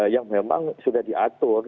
yang memang sudah diatur